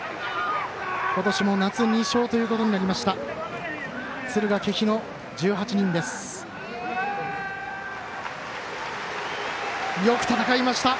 今年も夏入賞ということになりました。